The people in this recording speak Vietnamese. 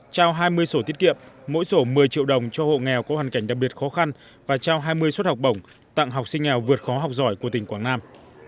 trao hai mươi sổ tiết kiệm mỗi sổ một mươi triệu đồng cho hộ nghèo có hoàn cảnh đặc biệt khó khăn và trao hai mươi suất học bổng tặng học sinh nghèo vượt khó học giỏi của tỉnh quảng nam